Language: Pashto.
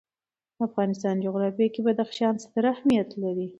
د افغانستان جغرافیه کې بدخشان ستر اهمیت لري.